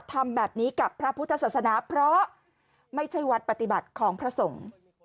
ทำแบบนี้กับพระพุทธศาสนาเพราะไม่ใช่วัดปฏิบัติของพระสงฆ์